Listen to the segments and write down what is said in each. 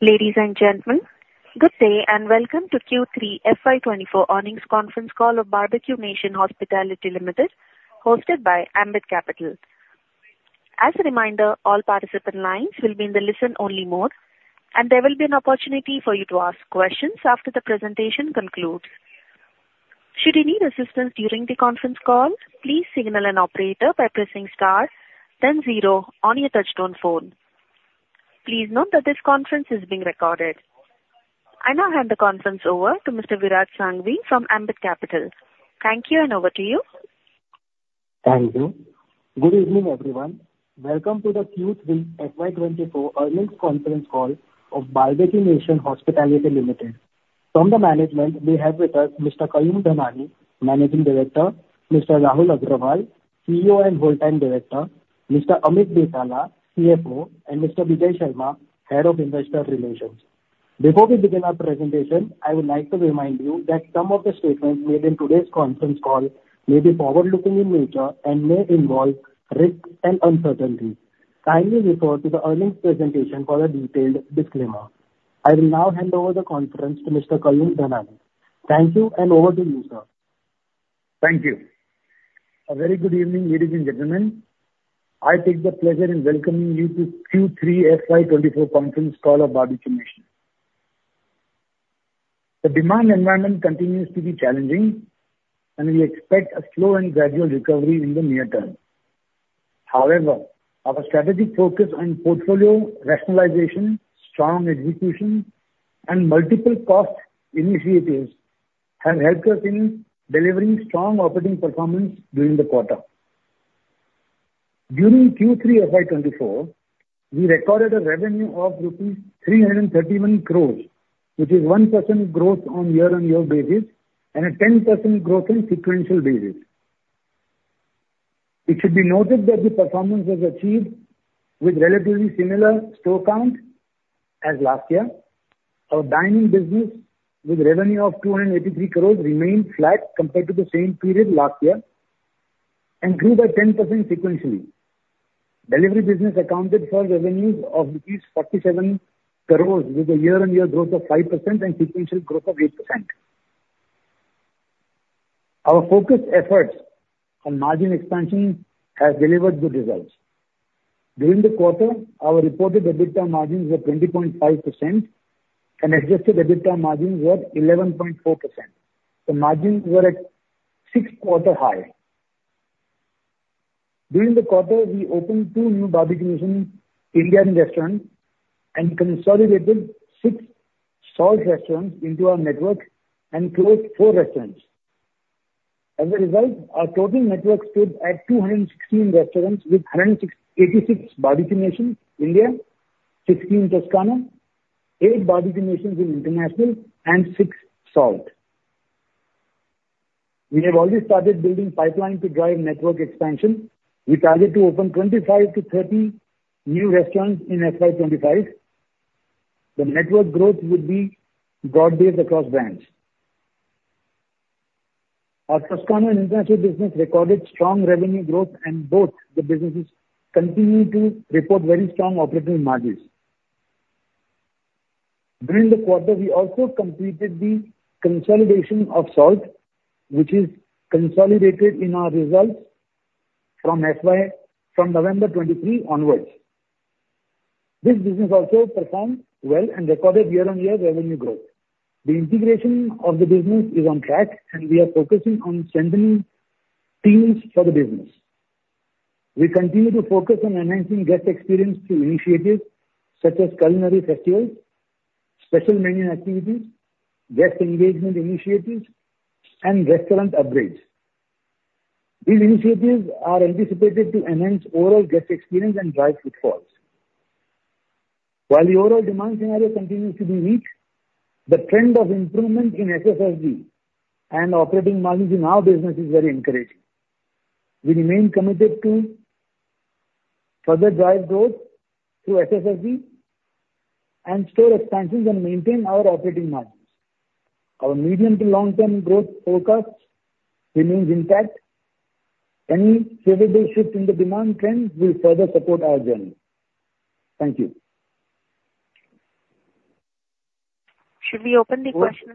Ladies and gentlemen, good day, and welcome to Q3 FY24 earnings conference call of Barbeque Nation Hospitality Limited, hosted by Ambit Capital. As a reminder, all participant lines will be in the listen-only mode, and there will be an opportunity for you to ask questions after the presentation concludes. Should you need assistance during the conference call, please signal an operator by pressing star then zero on your touchtone phone. Please note that this conference is being recorded. I now hand the conference over to Mr. Viraj Sanghvi from Ambit Capital. Thank you, and over to you. Thank you. Good evening, everyone. Welcome to the Q3 FY24 earnings conference call of Barbeque Nation Hospitality Limited. From the management, we have with us Mr. Kayum Dhanani, Managing Director, Mr. Rahul Agrawal, CEO and Whole Time Director, Mr. Amit Betala, CFO, and Mr. Bijay Sharma, Head of Investor Relations. Before we begin our presentation, I would like to remind you that some of the statements made in today's conference call may be forward-looking in nature and may involve risks and uncertainties. Kindly refer to the earnings presentation for a detailed disclaimer. I will now hand over the conference to Mr. Kayum Dhanani. Thank you, and over to you, sir. Thank you. A very good evening, ladies and gentlemen. I take the pleasure in welcoming you to Q3 FY24 conference call of Barbeque Nation. The demand environment continues to be challenging, and we expect a slow and gradual recovery in the near term. However, our strategic focus on portfolio rationalization, strong execution, and multiple cost initiatives have helped us in delivering strong operating performance during the quarter. During Q3 FY24, we recorded a revenue of rupees 331 crore, which is 1% growth on year-on-year basis and a 10% growth on sequential basis. It should be noted that the performance was achieved with relatively similar store count as last year. Our dine-in business, with revenue of 283 crore, remained flat compared to the same period last year and grew by 10% sequentially. Delivery business accounted for revenues of rupees 47 crore, with a year-on-year growth of 5% and sequential growth of 8%. Our focused efforts on margin expansion have delivered good results. During the quarter, our reported EBITDA margins were 20.5%, and adjusted EBITDA margins were 11.4%. The margins were at six-quarter high. During the quarter, we opened two new Barbeque Nation Indian restaurants and consolidated six Salt restaurants into our network and closed four restaurants. As a result, our total network stood at 216 restaurants with 106 Barbeque Nation India, 16 Toscano, eight Barbeque Nations in international, and six Salt. We have already started building pipeline to drive network expansion. We target to open 25-30 new restaurants in FY 2025. The network growth would be broad-based across brands. Our Toscano, International Business recorded strong revenue growth, and both the businesses continue to report very strong operating margins. During the quarter, we also completed the consolidation of Salt, which is consolidated in our results from November 2023 onwards. This business also performed well and recorded year-on-year revenue growth. The integration of the business is on track, and we are focusing on strengthening teams for the business. We continue to focus on enhancing guest experience through initiatives such as culinary festivals, special menu activities, guest engagement initiatives, and restaurant upgrades. These initiatives are anticipated to enhance overall guest experience and drive footfalls. While the overall demand scenario continues to be weak, the trend of improvement in SSFG and operating margins in our business is very encouraging. We remain committed to further drive growth through SSFG and store expansions and maintain our operating margins. Our medium to long-term growth forecast remains intact. Any favorable shift in the demand trend will further support our journey. Thank you. Should we open the question?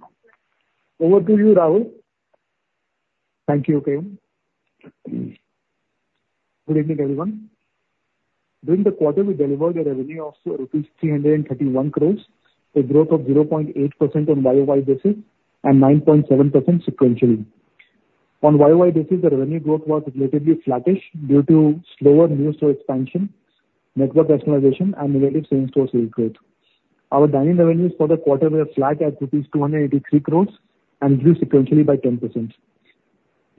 Over to you, Rahul. Thank you, Kayum. Good evening, everyone. During the quarter, we delivered a revenue of INR 331 crore, a growth of 0.8% on YoY basis and 9.7% sequentially. On YoY basis, the revenue growth was relatively flattish due to slower new store expansion, network rationalization, and relative same-store sales growth. Our dine-in revenues for the quarter were flat at rupees 283 crore and grew sequentially by 10%.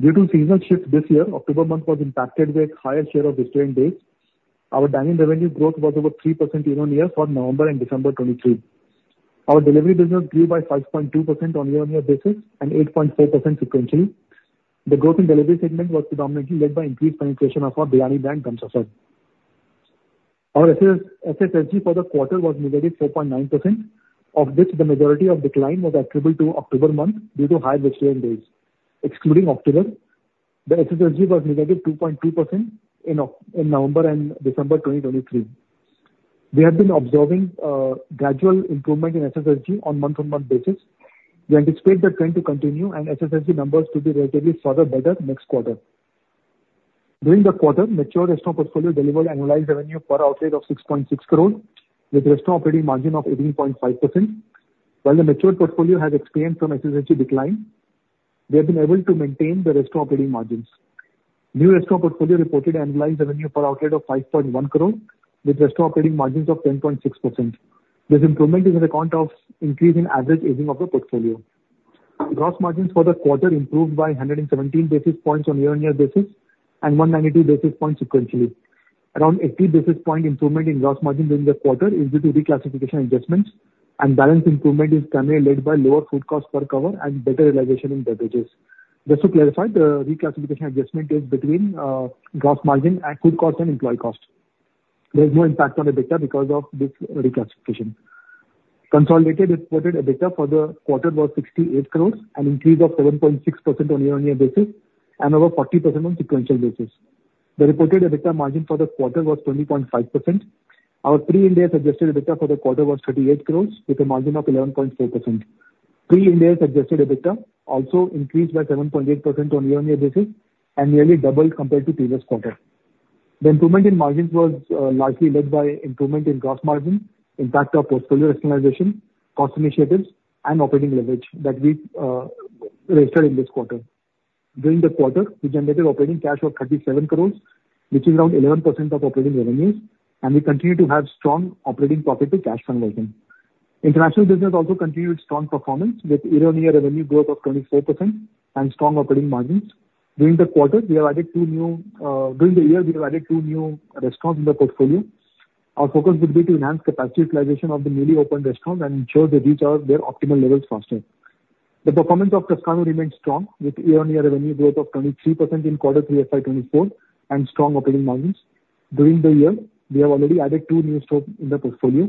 Due to seasonal shifts this year, October month was impacted with higher share of vegetarian days. Our dine-in revenue growth was over 3% year-on-year for November and December 2023. Our delivery business grew by 5.2% on year-on-year basis and 8.4% sequentially. The growth in delivery segment was predominantly led by increased penetration of our biryani brand, Dum Safar. Our SSG for the quarter was -4.9%, of which the majority of decline was attributable to October month due to higher rainy days. Excluding October, the SSG was -2.2% in November and December 2023. We have been observing gradual improvement in SSG on month-on-month basis. We anticipate the trend to continue and SSG numbers to be relatively further better next quarter. During the quarter, mature restaurant portfolio delivered annualized revenue per outlet of 6.6 crore, with restaurant operating margin of 18.5%. While the mature portfolio has experienced some SSG decline, we have been able to maintain the restaurant operating margins. New restaurant portfolio reported annualized revenue per outlet of 5.1 crore, with restaurant operating margins of 10.6%. This improvement is on account of increase in average aging of the portfolio. Gross margins for the quarter improved by 117 basis points on year-on-year basis and 192 basis points sequentially. Around 80 basis points improvement in gross margins during the quarter is due to reclassification adjustments, and balance improvement is primarily led by lower food costs per cover and better realization in beverages. Just to clarify, the reclassification adjustment is between gross margin and food cost and employee cost. There is no impact on the data because of this reclassification. Consolidated reported EBITDA for the quarter was 68 crore, an increase of 7.6% on year-on-year basis and over 40% on sequential basis. The reported EBITDA margin for the quarter was 20.5%. Our pre-IndAS adjusted EBITDA for the quarter was 38 crore, with a margin of 11.4%. Pre-IndAS adjusted EBITDA also increased by 7.8% on year-over-year basis and nearly doubled compared to previous quarter. The improvement in margins was largely led by improvement in gross margin, impact of portfolio rationalization, cost initiatives, and operating leverage that we registered in this quarter. During the quarter, we generated operating cash of 37 crore, which is around 11% of operating revenues, and we continue to have strong operating profit to cash conversion. International business also continued strong performance with year-over-year revenue growth of 24% and strong operating margins. During the quarter, we have added two new, during the year, we have added two new restaurants in the portfolio. Our focus would be to enhance capacity utilization of the newly opened restaurants and ensure they reach out their optimal levels faster. The performance of Toscano remains strong, with year-on-year revenue growth of 23% in quarter three FY 2024, and strong operating margins. During the year, we have already added two new stores in the portfolio.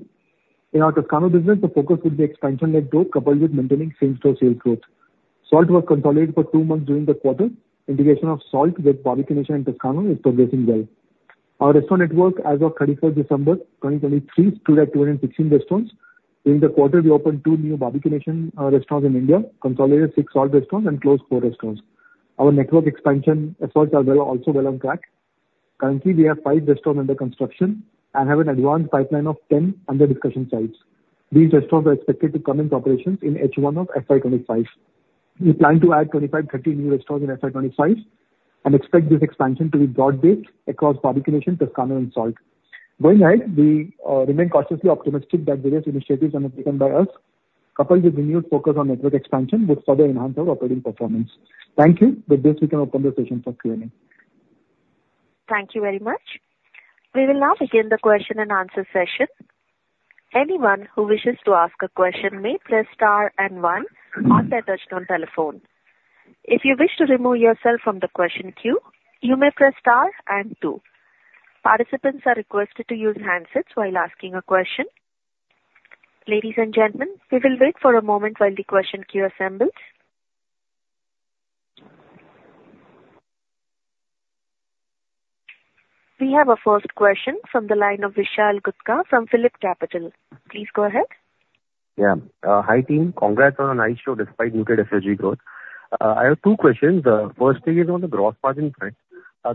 In our Toscano business, the focus would be expansion led growth, coupled with maintaining same-store sales growth. Salt was consolidated for two months during the quarter. Integration of Salt with Barbeque Nation and Toscano is progressing well. Our restaurant network as of December 31st, 2023 stood at 216 restaurants. During the quarter, we opened two new Barbeque Nation restaurants in India, consolidated six Salt restaurants, and closed four restaurants. Our network expansion efforts are also well on track. Currently, we have five restaurants under construction and have an advanced pipeline of 10 under-discussion sites. These restaurants are expected to come in operations in H1 of FY 2025. We plan to add 25-30 new restaurants in FY 2025 and expect this expansion to be broad-based across Barbeque Nation, Toscano, and Salt. Going ahead, we remain cautiously optimistic that various initiatives undertaken by us, coupled with renewed focus on network expansion, will further enhance our operating performance. Thank you. With this, we can open the session for Q&A. Thank you very much. We will now begin the question and answer session. Anyone who wishes to ask a question may press star and one on their touchtone telephone. If you wish to remove yourself from the question queue, you may press star and two. Participants are requested to use handsets while asking a question. Ladies and gentlemen, we will wait for a moment while the question queue assembles. We have a first question from the line of Vishal Gutka from PhillipCapital. Please go ahead. Yeah. Hi, team. Congrats on a nice show despite muted SSG growth. I have two questions. First thing is on the gross margin front.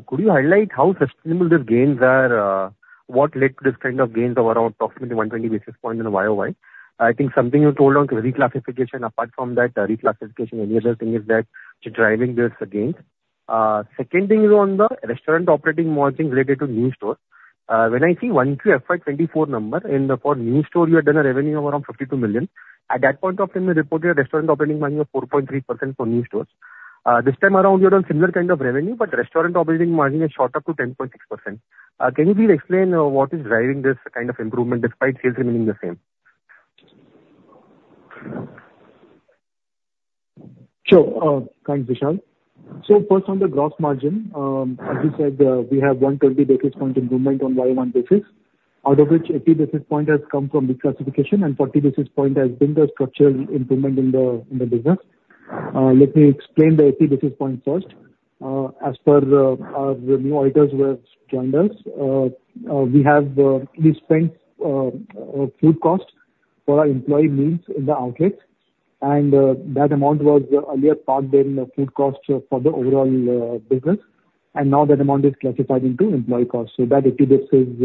Could you highlight how sustainable the gains are? What led to this kind of gains of around approximately 120 basis points and the YoY? I think something you told on reclassification. Apart from that reclassification, any other thing is that driving this gains? Second thing is on the restaurant operating margin related to new stores. When I see one through FY 2024 number, and for new store you had done a revenue of around 52 million. At that point of time, you reported a restaurant operating margin of 4.3% for new stores. This time around, you're on similar kind of revenue, but restaurant operating margin has shot up to 10.6%. Can you please explain what is driving this kind of improvement despite sales remaining the same? Sure. Thanks, Vishal. So first, on the gross margin, as you said, we have 120 basis points improvement on YoY basis, out of which 80 basis points has come from reclassification and 40 basis points has been the structural improvement in the business. Let me explain the 80 basis points first. As per our new auditors who have joined us, we have food costs for our employee meals in the outlets, and that amount was earlier parked in the food costs for the overall business, and now that amount is classified into employee costs. So that 80 basis points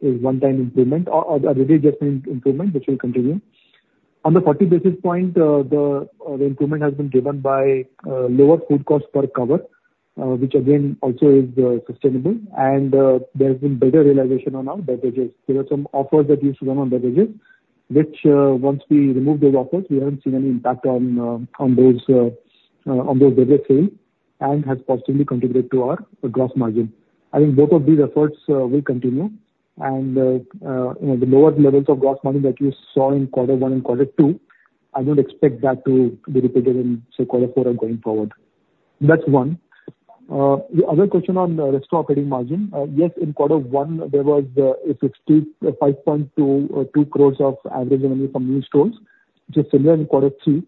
is one-time improvement, or a recurring improvement, which will continue. On the 40 basis point, the improvement has been driven by lower food costs per cover, which again, also is sustainable. And, there's been better realization on our beverages. There are some offers that we used to run on beverages, which, once we removed those offers, we haven't seen any impact on those beverage sales, and has positively contributed to our gross margin. I think both of these efforts will continue and, you know, the lower levels of gross margin that you saw in quarter one and quarter two, I don't expect that to be repeated in, say, quarter four and going forward. That's one. The other question on restaurant operating margin. Yes, in quarter one, there was a 65.2 crore of average revenue from new stores. Just similar in quarter three,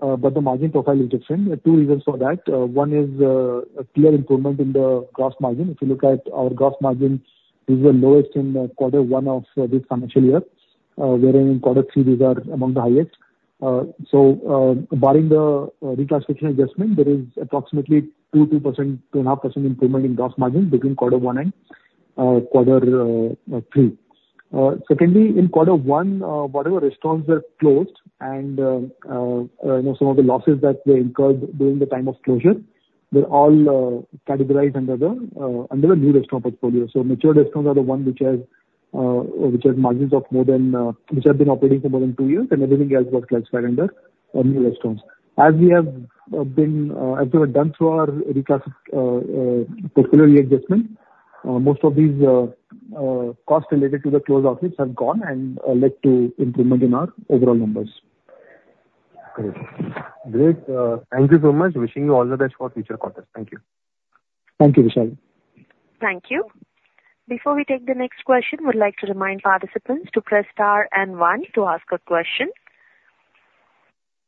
but the margin profile is different. There are two reasons for that. One is a clear improvement in the gross margin. If you look at our gross margin, this is the lowest in quarter one of this financial year, wherein in quarter three, these are among the highest. So, barring the reclassification adjustment, there is approximately 2%, 2.5% improvement in gross margin between quarter one and quarter three. Secondly, in quarter one, whatever restaurants were closed and, you know, some of the losses that were incurred during the time of closure, they're all categorized under the new restaurant portfolio. So mature restaurants are the one which has, which has margins of more than, which have been operating for more than two years, and everything else was classified under new restaurants. As we have been as we have done through our reclassification portfolio readjustment, most of these costs related to the closed outlets have gone and led to improvement in our overall numbers. Great. Great, thank you so much. Wishing you all the best for future quarters. Thank you. Thank you, Vishal. Thank you. Before we take the next question, we'd like to remind participants to press star and one to ask a question.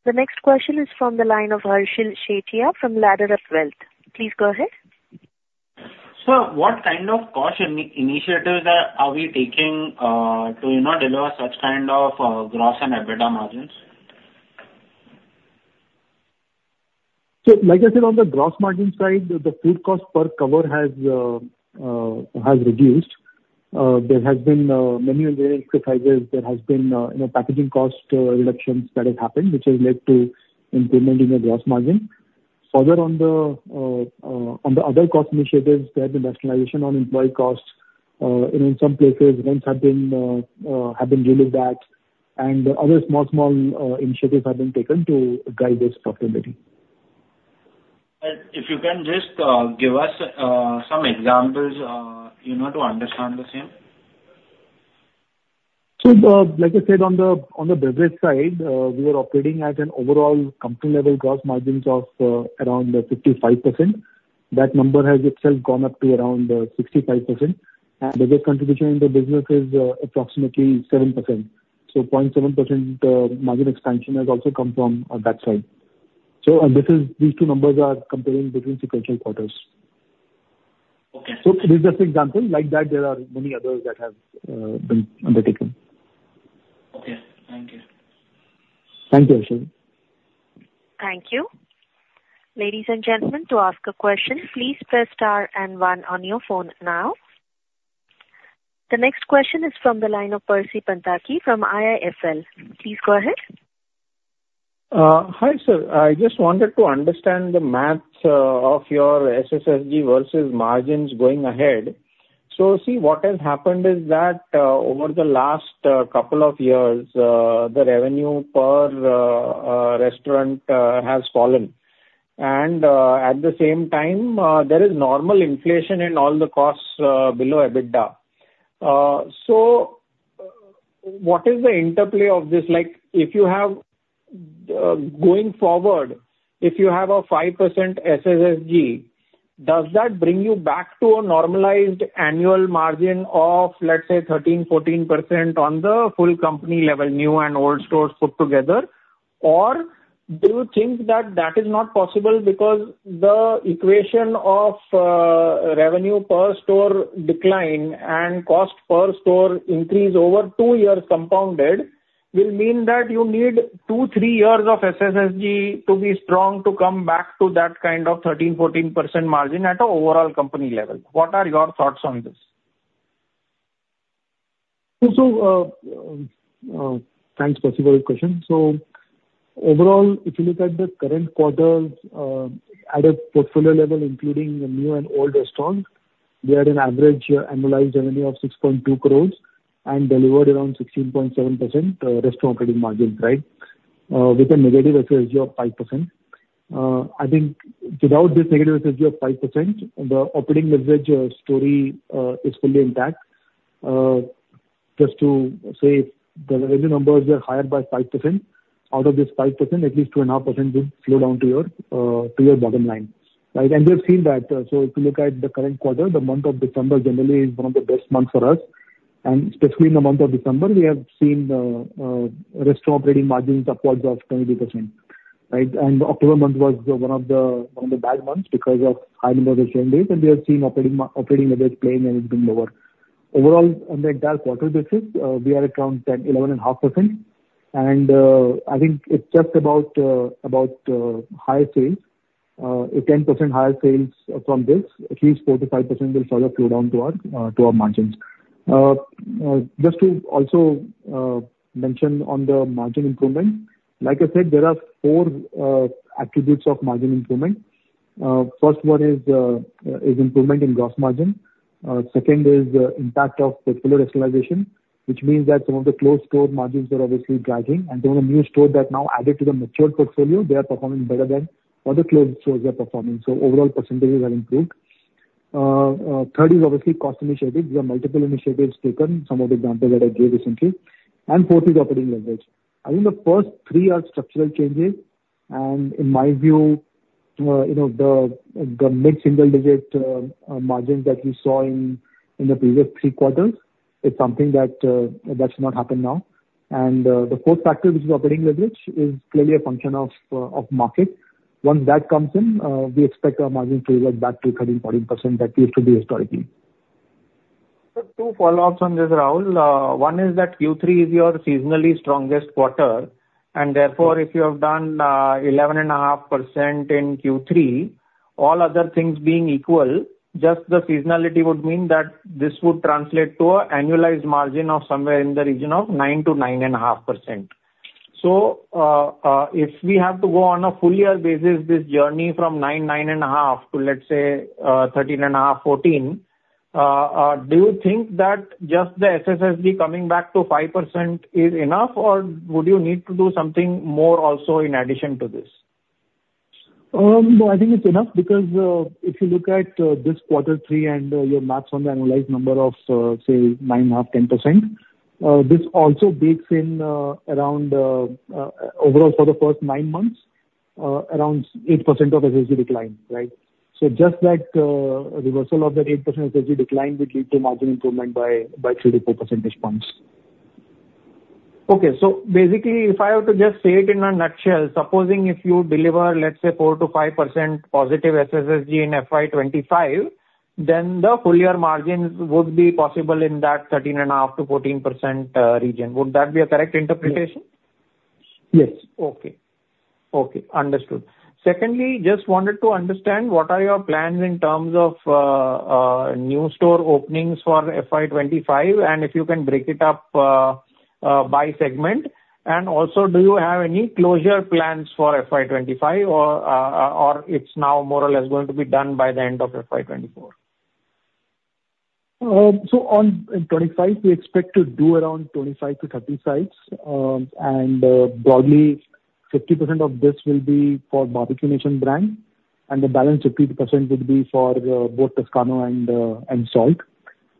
The next question is from the line of Harshil Shethia from LadderUp Wealth. Please go ahead. Sir, what kind of cost initiatives are we taking, you know, to deliver such kind of gross and EBITDA margins? So, like I said, on the gross margin side, the food cost per cover has reduced. There has been, you know, packaging cost reductions that have happened, which has led to improvement in the gross margin. Further on the other cost initiatives, there has been rationalization on employee costs. In some places, rents have been relieved at, and other small initiatives have been taken to guide this profitability. If you can just give us some examples, you know, to understand the same. So, like I said, on the beverage side, we were operating at an overall company level gross margins of around 55%. That number has itself gone up to around 65%, and beverage contribution in the business is approximately 7%. So 0.7% margin expansion has also come from that side. So and this is, these two numbers are comparing between sequential quarters. Okay. This is just an example. Like that, there are many others that have been undertaken. Okay, thank you. Thank you, Harshil. Thank you. Ladies and gentlemen, to ask a question, please press Star and One on your phone now. The next question is from the line of Percy Panthaki from IIFL. Please go ahead. Hi, sir. I just wanted to understand the math of your SSSG versus margins going ahead. So see, what has happened is that over the last couple of years, the revenue per restaurant has fallen, and at the same time, there is normal inflation in all the costs below EBITDA. So what is the interplay of this? Like, if you have going forward, if you have a 5% SSSG, does that bring you back to a normalized annual margin of, let's say, 13%-14% on the full company level, new and old stores put together? Or do you think that that is not possible because the equation of revenue per store decline and cost per store increase over 2 years compounded will mean that you need two to three years of SSSG to be strong to come back to that kind of 13%-14% margin at an overall company level? What are your thoughts on this? So, thanks, Percy, for your question. So overall, if you look at the current quarter, at a portfolio level, including the new and old restaurants, we had an average annualized revenue of 6.2 crore and delivered around 16.7% restaurant operating margins, right? With a negative SSG of 5%. I think without this negative SSG of 5%, the operating leverage story is fully intact. Just to say, the revenue numbers are higher by 5%. Out of this 5%, at least 2.5% will flow down to your bottom line, right? And we've seen that. So if you look at the current quarter, the month of December generally is one of the best months for us. Specifically in the month of December, we have seen restaurant operating margins upwards of 20%, right? October month was one of the bad months because of high number of rain days, and we have seen operating leverage play and it's been lower. Overall, on the entire quarter basis, we are around 10%-11.5%, and I think it's just about high sales. A 10% higher sales from this, at least 4%-5% will further flow down to our margins. Just to also mention on the margin improvement, like I said, there are four attributes of margin improvement. First one is improvement in gross margin. Second is the impact of portfolio rationalization, which means that some of the closed store margins are obviously dragging, and some of the new stores that now added to the mature portfolio, they are performing better than other closed stores are performing, so overall percentages have improved. Third is obviously cost initiatives. There are multiple initiatives taken, some of the examples that I gave recently. And fourth is operating leverage. I think the first three are structural changes. And in my view, you know, the mid-single digit margins that we saw in the previous three quarters is something that should not happen now. And the fourth factor, which is operating leverage, is clearly a function of market. Once that comes in, we expect our margin to go back to 13%-14% that used to be historically. Sir, two follow-ups on this, Rahul. One is that Q3 is your seasonally strongest quarter, and therefore, if you have done 11.5% in Q3, all other things being equal, just the seasonality would mean that this would translate to an annualized margin of somewhere in the region of 9%-9.5%. So, if we have to go on a full year basis, this journey from 9, 9.5, to let's say, 13.5, 14, do you think that just the SSSG coming back to 5% is enough, or would you need to do something more also in addition to this? No, I think it's enough, because if you look at this quarter three and your math on the annualized number of say 9.5%-10%, this also bakes in around overall for the first nine months around 8% of SSSG decline, right? So just that reversal of that 8% SSSG decline would lead to margin improvement by by 3-4 percentage points. Okay. So basically, if I were to just say it in a nutshell, supposing if you deliver, let's say, 4%-5% positive SSSG in FY 2025, then the full year margins would be possible in that 13.5%-14% region. Would that be a correct interpretation? Yes. Okay. Okay, understood. Secondly, just wanted to understand what are your plans in terms of, new store openings for FY 2025, and if you can break it up, by segment, and also do you have any closure plans for FY 2025 or, or it's now more or less going to be done by the end of FY 2024? So, in 2025, we expect to do around 25-30 sites, and, broadly, 50% of this will be for Barbeque Nation brand, and the balance 50% would be for both Toscano and Salt.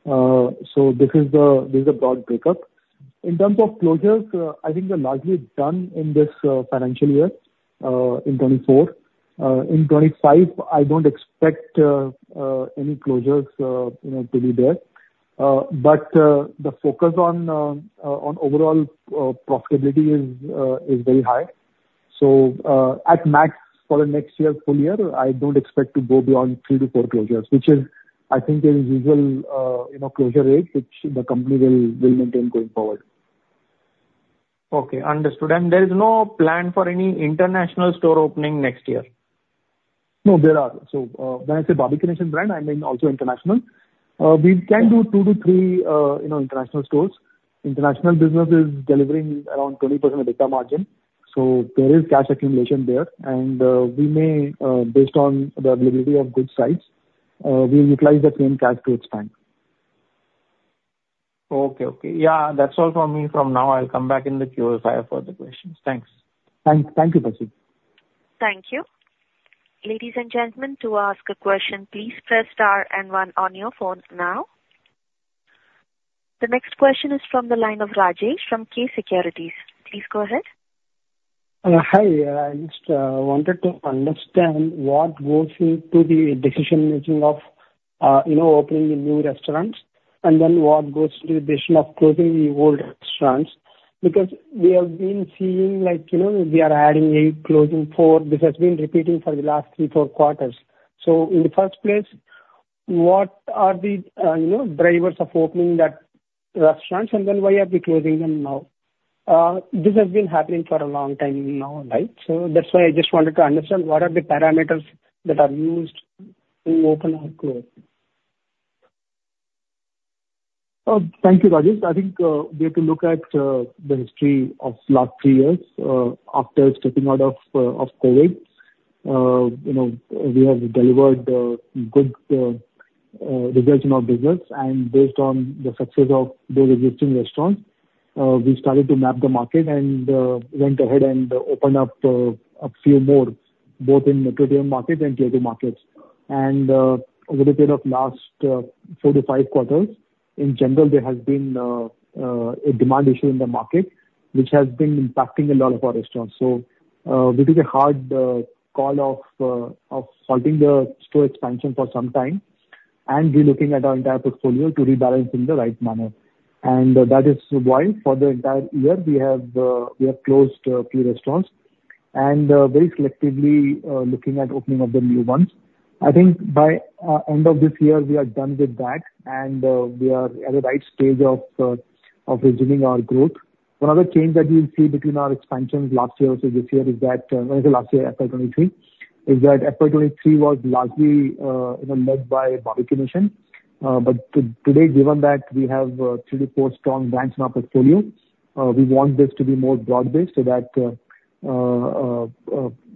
So this is a broad breakup. In terms of closures, I think they're largely done in this financial year, in 2024. In 2025, I don't expect any closures, you know, to be there. But the focus on overall profitability is very high. So, at max, for the next year, full year, I don't expect to go beyond three to four closures, which is, I think, a usual, you know, closure rate, which the company will maintain going forward. Okay, understood. There is no plan for any international store opening next year? No, there are. So, when I say Barbeque Nation brand, I mean also international. We can do two to three, you know, international stores. International business is delivering around 20% EBITDA margin, so there is cash accumulation there, and we may, based on the availability of good sites, we'll utilize the same cash to expand. Okay, okay. Yeah, that's all for me from now. I'll come back in the queue if I have further questions. Thanks. Thank you, Praseek. Thank you. Ladies and gentlemen, to ask a question, please press star and one on your phones now. The next question is from the line of Rajesh from B & K Securities. Please go ahead. Hi. I just wanted to understand what goes into the decision-making of you know, opening the new restaurants, and then what goes into the decision of closing the old restaurants? Because we have been seeing, like, you know, we are adding eight, closing four. This has been repeating for the last three, four quarters. So in the first place, what are the drivers of opening that restaurants, and then why are we closing them now? This has been happening for a long time now, right? So that's why I just wanted to understand what are the parameters that are used to open and close. Thank you, Rajesh. I think we have to look at the history of last three years. After stepping out of COVID, you know, we have delivered good results in our business, and based on the success of the existing restaurants, we started to map the market and went ahead and opened up a few more, both in mature market and Tier II markets. Over a period of last four to five quarters, in general, there has been a demand issue in the market, which has been impacting a lot of our restaurants. So, we took a hard call of halting the store expansion for some time and relooking at our entire portfolio to rebalance in the right manner. And that is why for the entire year, we have closed a few restaurants and very selectively looking at opening of the new ones. I think by end of this year, we are done with that, and we are at the right stage of resuming our growth. One other change that you'll see between our expansions last year to this year is that... Last year, FY 2023, is that FY 2023 was largely, you know, led by Barbeque Nation. But today, given that we have three to four strong brands in our portfolio, we want this to be more broad-based so that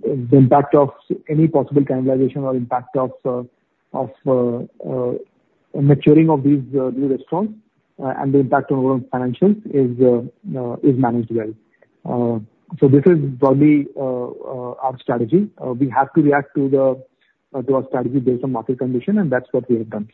the impact of any possible cannibalization or impact of maturing of these restaurants, and the impact on our financials is managed well. This is broadly our strategy. We have to react to our strategy based on market condition, and that's what we have done.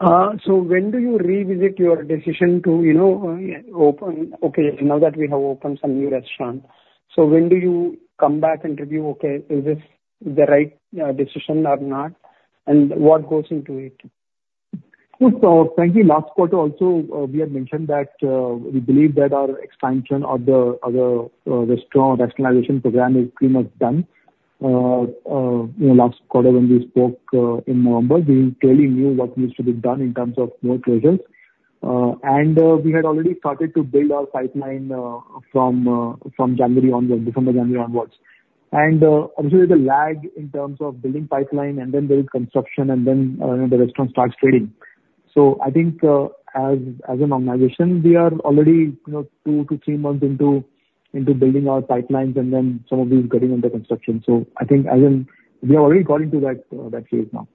So when do you revisit your decision to, you know, open, okay, now that we have opened some new restaurants, so when do you come back and review, okay, is this the right decision or not? And what goes into it? So frankly, last quarter also, we had mentioned that, we believe that our expansion or the restaurant rationalization program is pretty much done. You know, last quarter when we spoke, in November, we clearly knew what needs to be done in terms of more closures. And, we had already started to build our pipeline, from January onwards. And, obviously, the lag in terms of building pipeline, and then there is construction, and then the restaurant starts trading. So I think, as an organization, we are already, you know, two to three months into building our pipelines, and then some of these getting under construction. So I think as in, we have already got into that phase now.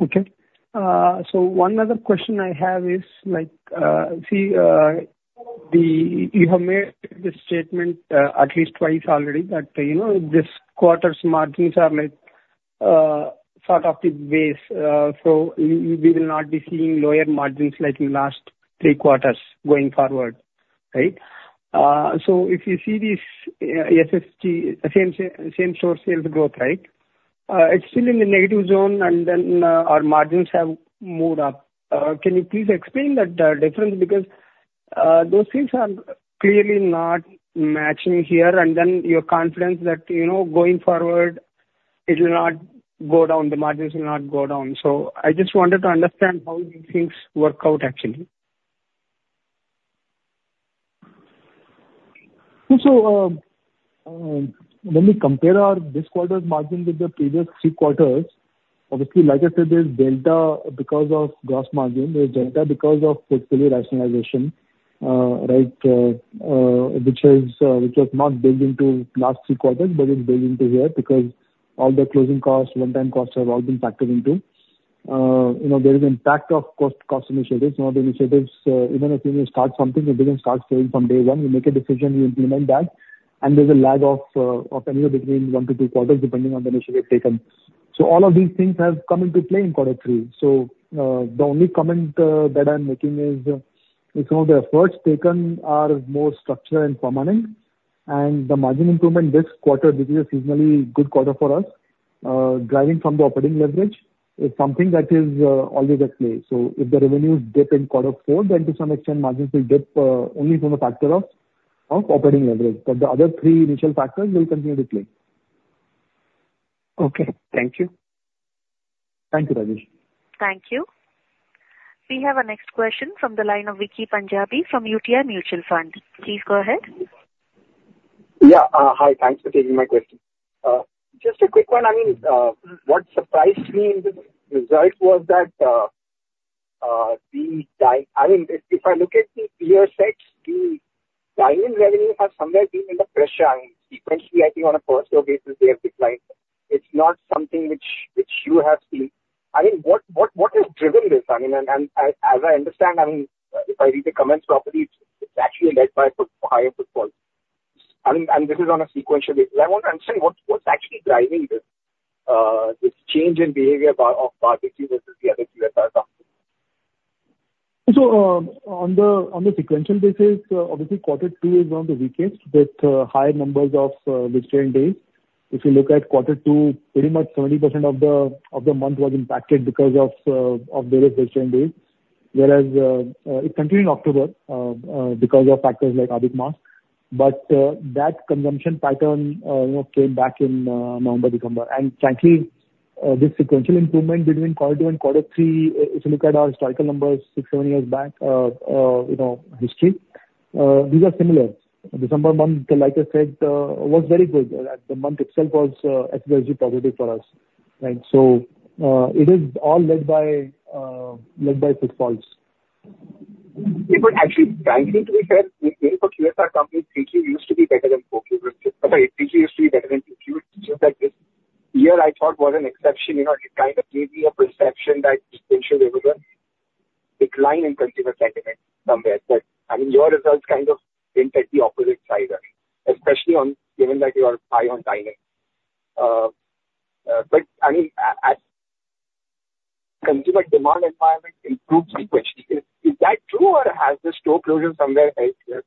Okay. So one other question I have is like, see, you have made this statement at least twice already, that, you know, this quarter's margins are like sort of the base, so we will not be seeing lower margins like in last three quarters going forward, right? So if you see this, SSG, same-store sales growth, right, it's still in the negative zone, and then our margins have moved up. Can you please explain that difference? Because those things are clearly not matching here, and then your confidence that, you know, going forward, it will not go down, the margins will not go down. So I just wanted to understand how these things work out, actually. So, when we compare our this quarter's margin with the previous three quarters, obviously, like I said, there's delta because of gross margin. There's delta because of portfolio rationalization, right, which is, which was not built into last three quarters but is built into here, because all the closing costs, one-time costs, have all been factored into. You know, there is impact of cost, cost initiatives. Now, the initiatives, even if you start something, it doesn't start selling from day one. You make a decision, you implement that, and there's a lag of anywhere between one to two quarters, depending on the initiative taken. So all of these things have come into play in quarter three. So, the only comment that I'm making is some of the efforts taken are more structured and permanent, and the margin improvement this quarter, which is a seasonally good quarter for us, driving from the operating leverage, is something that is always at play. So if the revenues dip in quarter four, then to some extent margins will dip only from the factor of operating leverage. But the other three initial factors will continue to play. Okay. Thank you. Thank you, Rajesh. Thank you. We have our next question from the line of Vicky Punjabi from UTI Mutual Fund. Please go ahead. Yeah. Hi, thanks for taking my question. Just a quick one. I mean, what surprised me in the result was that, I mean, if I look at your peer set, the dine- revenue has somewhere been under pressure. I mean, sequentially, I think on a per store basis, they have declined. It's not something which you have seen. I mean, what has driven this? I mean, and as I understand, I mean, if I read the comments properly, it's actually led by footfall, higher footfalls. I mean, and this is on a sequential basis. I want to understand what's actually driving this, this change in behavior of Barbeque versus the other QSR companies? So, on the sequential basis, obviously, quarter two is one of the weakest, with high numbers of vegetarian days. If you look at quarter two, pretty much 70% of the month was impacted because of various vegetarian days. Whereas, it continued in October, because of factors like Adhik Maas. But, that consumption pattern, you know, came back in November, December. And frankly, this sequential improvement between quarter two and quarter three, if you look at our historical numbers, six, seven years back, you know, history, these are similar. December month, like I said, was very good. The month itself was extremely positive for us, right? So, it is all led by footfalls. Yeah, but actually, frankly, to be fair, even for QSR companies, Q3 used to be better than Q4. I'm sorry, Q3 used to be better than Q2. Just that this year, I thought, was an exception. You know, it kind of gave me a perception that potentially there was a decline in consumer sentiment somewhere. But, I mean, your results kind of hint at the opposite side of it, especially on, given that you are high on dining. But I mean, as consumer demand environment improves sequentially, is that true, or has the store closures somewhere helped here?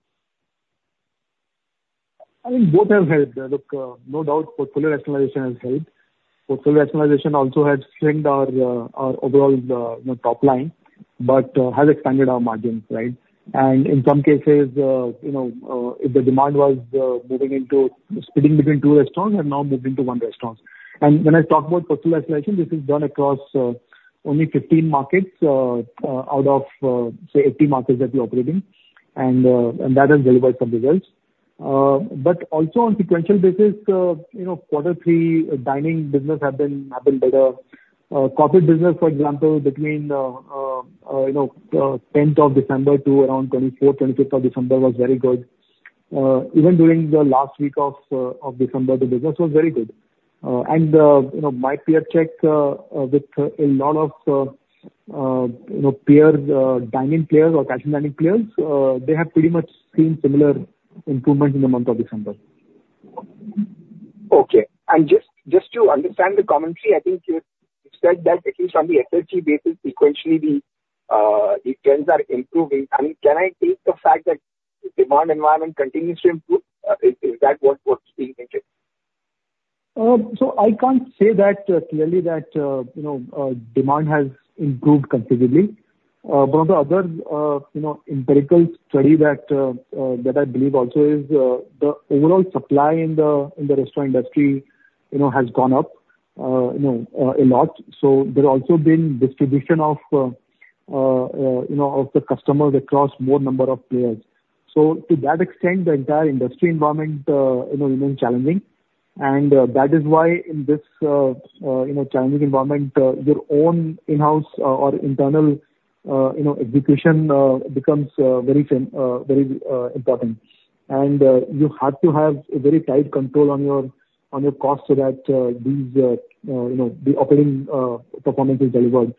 I mean, both have helped. Look, no doubt, portfolio rationalization has helped. Portfolio rationalization also has shrinked our, our overall, you know, top line, but, has expanded our margins, right? And in some cases, you know, if the demand was, moving into splitting between two restaurants, have now moved into one restaurant. And when I talk about portfolio rationalization, this is done across, only 15 markets, out of, say, 80 markets that we're operating, and, and that has delivered some results. But also on sequential basis, you know, quarter three, dining business have been, have been better. Corporate business, for example, between, you know, 10th of December to around 24, 25th of December was very good. Even during the last week of December, the business was very good. You know, my peer check with a lot of you know, peers, dining peers or casual dining peers, they have pretty much seen similar improvement in the month of December. Okay. And just, just to understand the commentary, I think you said that at least on the SSG basis, sequentially, the trends are improving. I mean, can I take the fact that the demand environment continues to improve? Is that what's being mentioned? So I can't say that clearly that, you know, demand has improved considerably. But on the other, you know, empirical study that that I believe also is the overall supply in the, in the restaurant industry, you know, has gone up, you know, a lot. So there's also been distribution of, you know, of the customers across more number of players. So to that extent, the entire industry environment, you know, remains challenging. And that is why in this, you know, challenging environment, your own in-house or or internal, you know, execution becomes very important. And you have to have a very tight control on your, on your costs, so that, you know, the operating performance is delivered.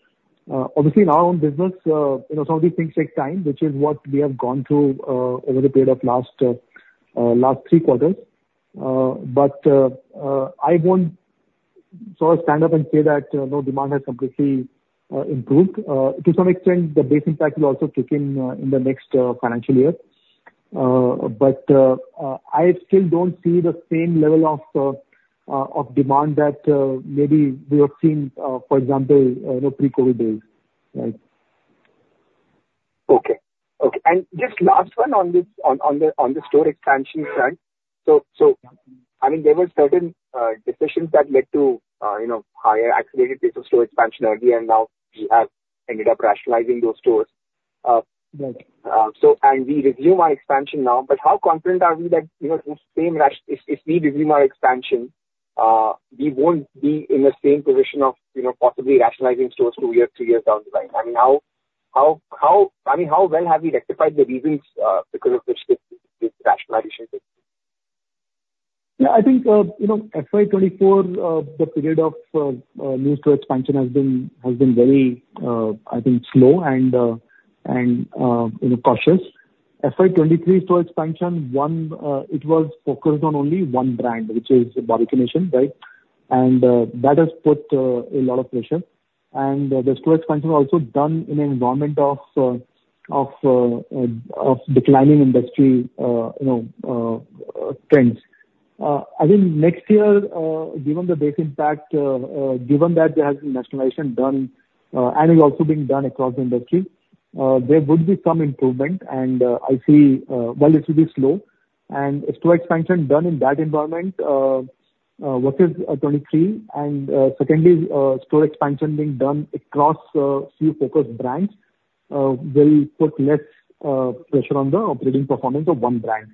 Obviously, in our own business, you know, some of these things take time, which is what we have gone through over the period of last three quarters. But I won't sort of stand up and say that no demand has completely improved. To some extent, the base impact will also kick in in the next financial year. But I still don't see the same level of demand that maybe we have seen, for example, you know, pre-COVID days, right? Okay. And just last one on this, on the store expansion side. So, I mean, there were certain decisions that led to, you know, higher accelerated pace of store expansion early, and now we have ended up rationalizing those stores. Right. So and we resume our expansion now, but how confident are we that, you know, this same, if we resume our expansion, we won't be in the same position of, you know, possibly rationalizing stores two years, three years down the line? I mean, how well have we rectified the reasons because of which this rationalization took place? Yeah, I think, you know, FY 2024, the period of new store expansion has been, has been very, I think, slow and, and, you know, cautious. FY 2023 store expansion one, it was focused on only one brand, which is Barbeque Nation, right? And, that has put a lot of pressure. And the store expansion was also done in an environment of, of, of declining industry, you know, trends. I think next year, given the base impact, given that there has been rationalization done, and is also being done across the industry, there would be some improvement, and, I see, well, it will be slow. A store expansion done in that environment versus 23, and secondly, store expansion being done across few focused brands will put less pressure on the operating performance of one brand.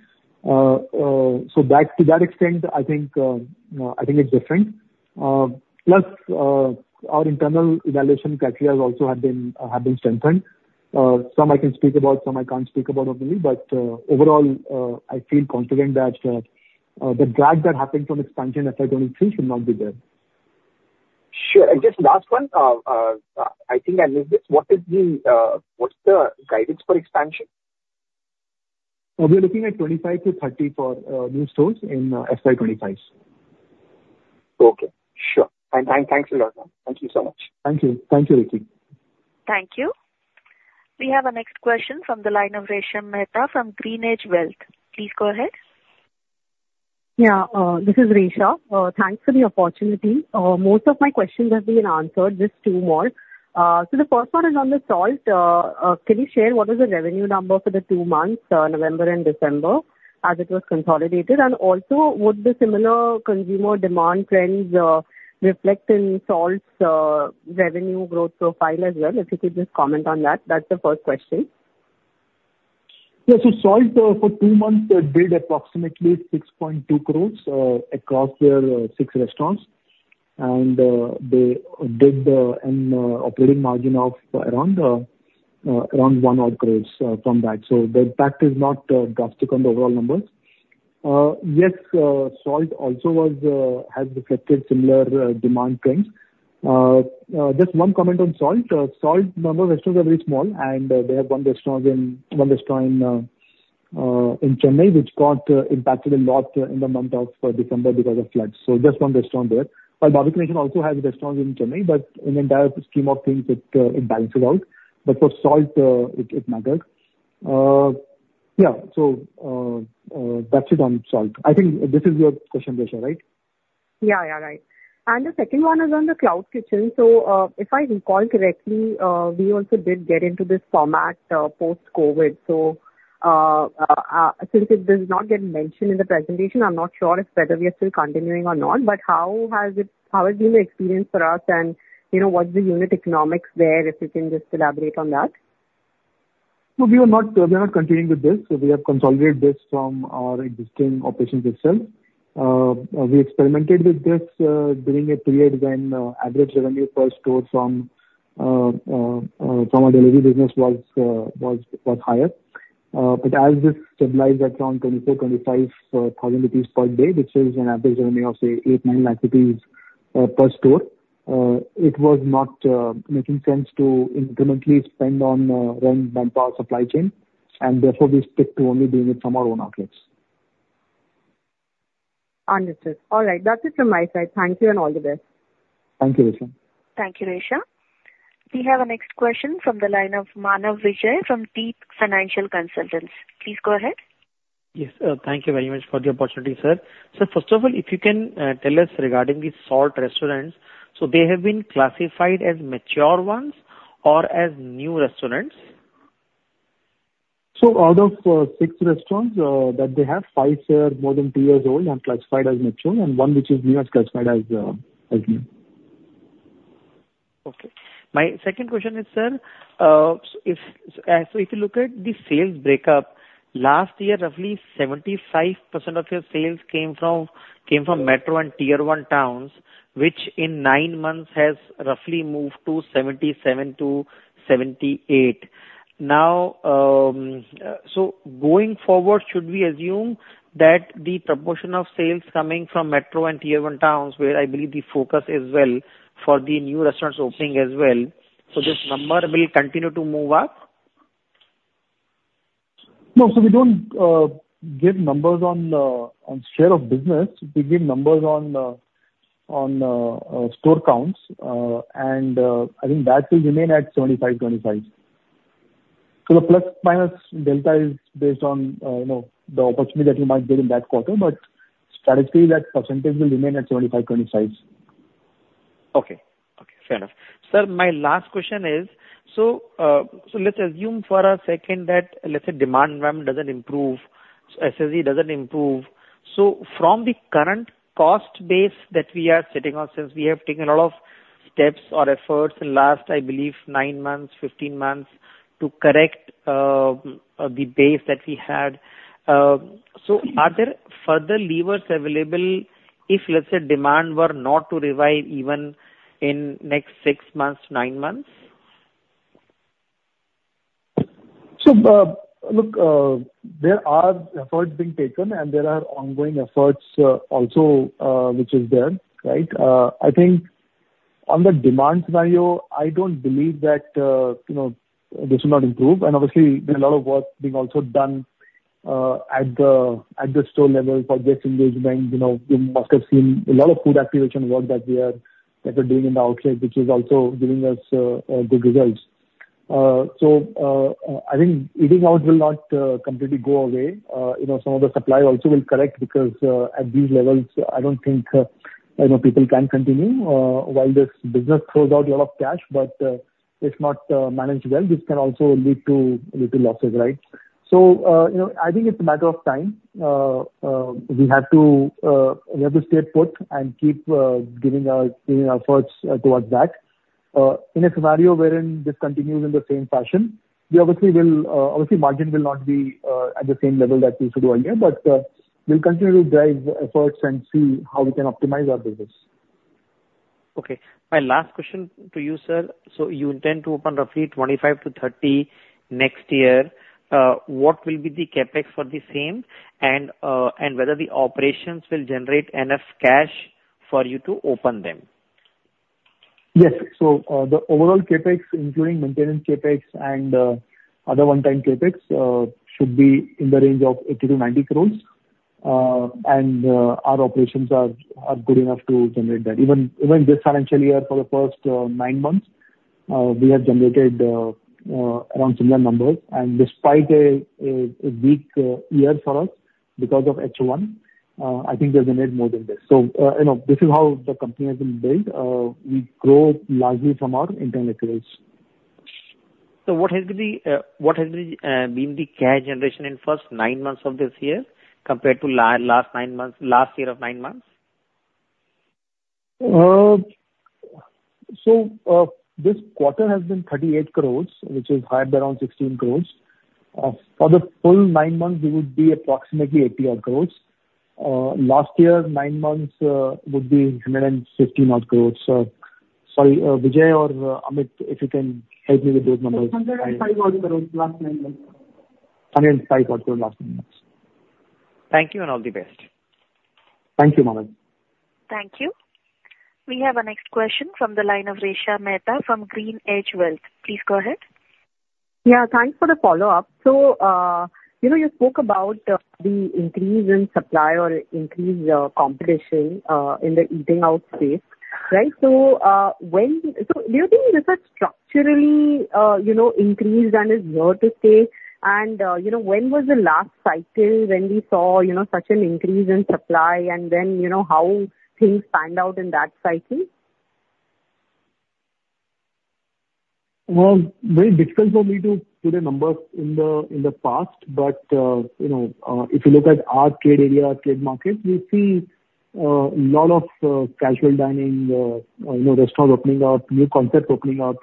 So that, to that extent, I think it's different. Plus, our internal evaluation criteria also have been strengthened. Some I can speak about, some I can't speak about, obviously, but overall, I feel confident that the drag that happened from expansion FY 2023 should not be there. Sure. And just last one, I think I missed this. What is the, what's the guidance for expansion? We are looking at 25-30 new stores in FY 2025. Okay. Sure. Thanks a lot. Thank you so much. Thank you. Thank you, Vicky. Thank you. We have our next question from the line of Resha Mehta from GreenEdge Wealth. Please go ahead. Yeah, this is Resha. Thanks for the opportunity. Most of my questions have been answered, just two more. So the first one is on the Salt. Can you share what is the revenue number for the two months, November and December, as it was consolidated? And also, would the similar consumer demand trends reflect in Salt's revenue growth profile as well? If you could just comment on that. That's the first question. Yeah. So Salt for two months did approximately 6.2 crore across their six restaurants. And they did an operating margin of around 1-odd crore from that. So the impact is not drastic on the overall numbers. Yes, Salt also has reflected similar demand trends. Just one comment on Salt. Salt, number of restaurants are very small, and they have one restaurant in Chennai, which got impacted a lot in the month of December because of floods. So just one restaurant there. But Barbeque Nation also has restaurants in Chennai, but in the entire scheme of things, it balances out, but for Salt, it matters. Yeah, so that's it on Salt. I think this is your question, Resha, right? Yeah, yeah, right. The second one is on the cloud kitchen. If I recall correctly, we also did get into this format, since it does not get mentioned in the presentation, I'm not sure if whether we are still continuing or not. How has it, how has been the experience for us, and, you know, what's the unit economics there, if you can just elaborate on that? No, we are not continuing with this, so we have consolidated this from our existing operations itself. We experimented with this during a period when average revenue per store from our delivery business was higher. But as this stabilized at around 24,000-25,000 rupees per day, which is an average revenue of, say, 8 lakh-9 lakh rupees per store. It was not making sense to incrementally spend on rent, manpower, supply chain, and therefore we stick to only doing it from our own outlets. Understood. All right, that's it from my side. Thank you, and all the best. Thank you, Resha. Thank you, Resha. We have our next question from the line of Manav Vijay from Deep Financial Consultants. Please go ahead. Yes, thank you very much for the opportunity, sir. First of all, if you can, tell us regarding the Salt restaurants, so they have been classified as mature ones or as new restaurants? So out of six restaurants that they have, five are more than two years old and classified as mature, and one which is new and classified as new. Okay. My second question is, sir, if, so if you look at the sales breakup, last year, roughly 75% of your sales came from, came from metro and Tier I towns, which in nine months has roughly moved to 77%-78%. Now, so going forward, should we assume that the proportion of sales coming from metro and Tier I towns, where I believe the focus is well for the new restaurants opening as well, so this number will continue to move up? No. So we don't give numbers on share of business. We give numbers on store counts. And I think that will remain at 75:25. So the plus minus delta is based on, you know, the opportunity that we might get in that quarter, but strategically, that percentage will remain at 75:25. Okay. Okay, fair enough. Sir, my last question is, so, so let's assume for a second that, let's say, demand environment doesn't improve, SSG doesn't improve, so from the current cost base that we are sitting on, since we have taken a lot of steps or efforts in last, I believe nine months, 15 months, to correct, the base that we had, so are there further levers available if, let's say, demand were not to revive even in next six months, nine months? So, look, there are efforts being taken, and there are ongoing efforts, also, which is there, right? I think on the demand scenario, I don't believe that, you know, this will not improve. And obviously there's a lot of work being also done, at the, at the store level for guest engagement. You know, you must have seen a lot of food activation work that we are, that we're doing in the outlet, which is also giving us, good results. So, I think eating out will not, completely go away. You know, some of the supply also will correct, because, at these levels, I don't think, you know, people can continue. While this business throws out a lot of cash, but if not managed well, this can also lead to losses, right? So, you know, I think it's a matter of time. We have to stay put and keep giving our efforts towards that. In a scenario wherein this continues in the same fashion, we obviously will, margin will not be at the same level that we used to do earlier, but we'll continue to drive efforts and see how we can optimize our business. Okay. My last question to you, sir: so you intend to open roughly 25-30 next year. What will be the CapEx for the same, and, and whether the operations will generate enough cash for you to open them? Yes. So, the overall CapEx, including maintenance CapEx and other one-time CapEx, should be in the range of 80 crore-90 crore. And our operations are good enough to generate that. Even this financial year, for the first nine months, we have generated around similar numbers, and despite a weak year for us because of H1, I think we've generated more than this. So, you know, this is how the company has been built. We grow largely from our internal rates. So what has been the cash generation in first nine months of this year compared to last nine months last year? So, this quarter has been 38 crore, which is higher by around 16 crore. For the full nine months, we would be approximately 80-odd crore. Last year, nine months, would be 150-odd crore. Sorry, Bijay or Amit, if you can help me with those numbers. 105-odd crore last nine months. 105 odd crore last nine months. Thank you, and all the best. Thank you, Manav. Thank you. We have our next question from the line of Resha Mehta from GreenEdge Wealth. Please go ahead. Yeah, thanks for the follow-up. So, you know, you spoke about the increase in supply or increase, competition in the eating out space, right? So, do you think this is structurally, you know, increased and is here to stay? And, you know, when was the last cycle when we saw, you know, such an increase in supply, and then, you know, how things panned out in that cycle? Well, very difficult for me to put a number in the past, but you know, if you look at our trade area, our trade market, we see lot of casual dining, you know, restaurants opening up, new concepts opening up.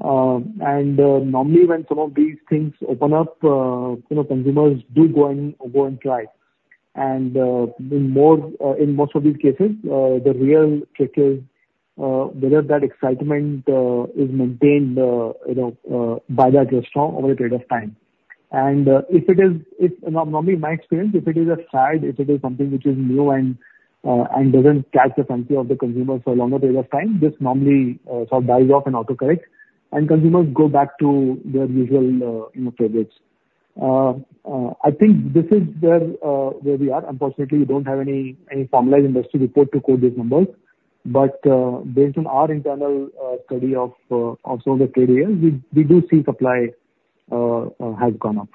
And normally, when some of these things open up, you know, consumers do go and try. And in most of these cases, the real trick is whether that excitement is maintained, you know, by that restaurant over a period of time. If it is, it's normally, in my experience, if it is a fad, if it is something which is new and, and doesn't catch the fancy of the consumers for a longer period of time, this normally, sort of dies off and autocorrect, and consumers go back to their usual, you know, favorites. I think this is where, where we are. Unfortunately, we don't have any, any formalized industry report to quote these numbers, but, based on our internal, study of, of some of the trade areas, we, we do see supply, has gone up.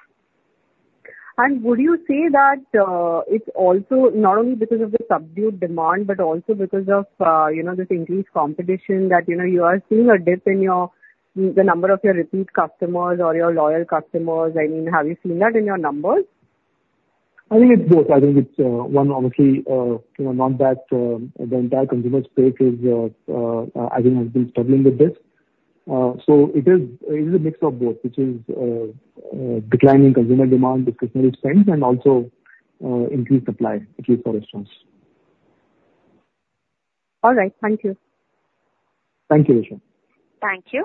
Would you say that it's also not only because of the subdued demand, but also because of you know, this increased competition, that you know, you are seeing a dip in your the number of your repeat customers or your loyal customers? I mean, have you seen that in your numbers? I think it's both. I think it's one, obviously, you know, not that the entire consumer space is, I think has been struggling with this. So it is, it is a mix of both, which is declining consumer demand, discretionary spend, and also increased supply, at least for restaurants. All right. Thank you. Thank you, Resha. Thank you.